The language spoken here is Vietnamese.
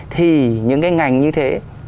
thì những cái ngành như thế